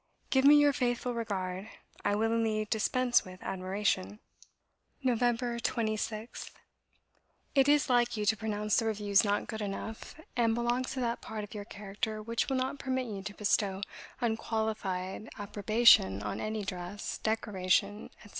Give me your faithful regard; I willingly dispense with admiration." "Nov. 26th. "It is like you to pronounce the reviews not good enough, and belongs to that part of your character which will not permit you to bestow unqualified approbation on any dress, decoration, etc.